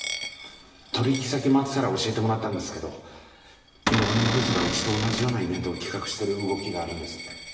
取引先回ってたら教えてもらったんですけど野上フーズがうちと同じようなイベントを企画してる動きがあるんですって。